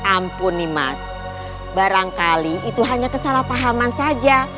ampun nih mas barangkali itu hanya kesalahpahaman saja